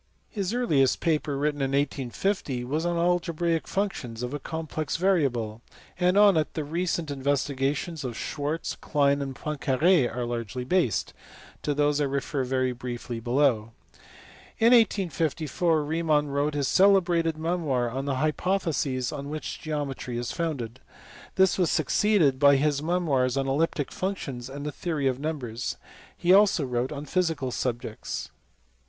His earliest paper, written in 1850, was on algebraic functions of a complex variable, and on it the recent investigations of Schwarz, Klein, and Poincare are largely based : to these I refer very briefly below (see p. 470). In 1854 Riemann wrote his cele brated memoir on the hypotheses on which geometry is founded. This was succeeded by memoirs on elliptic functions and the theory of numbers; he also wrote on physical subjects.